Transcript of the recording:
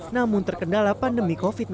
namun terkendala pandemi covid sembilan belas